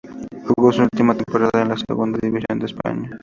Jugó su última temporada en la Segunda División de España.